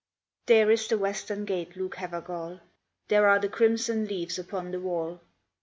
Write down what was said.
There is the western gate, Luke Havergal, There are the crimson leaves upon the wall.